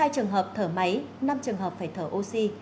hai trường hợp thở máy năm trường hợp phải thở oxy